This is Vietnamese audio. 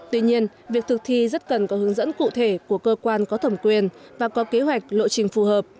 tuy nhiên việc thực thi rất cần có hướng dẫn cụ thể của cơ quan có thẩm quyền và có kế hoạch lộ trình phù hợp